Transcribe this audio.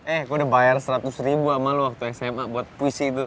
eh gue udah bayar seratus ribu amalu waktu sma buat puisi itu